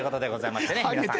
皆さん。